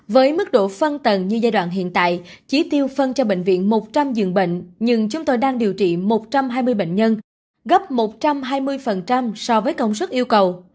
với mức độ phân tầng như giai đoạn hiện tại chỉ tiêu phân cho bệnh viện một trăm linh giường bệnh nhưng chúng tôi đang điều trị một trăm hai mươi bệnh nhân gấp một trăm hai mươi so với công suất yêu cầu